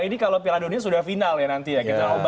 ini kalau piala dunia sudah final ya nanti ya